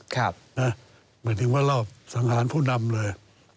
หมายถึงว่ารอบสังหารผู้นำเลย